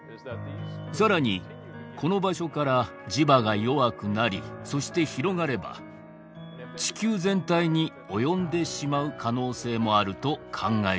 さらにこの場所から磁場が弱くなりそして広がれば地球全体に及んでしまう可能性もあると考えています。